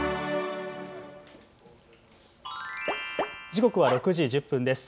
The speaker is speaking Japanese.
時刻は６時１０分です。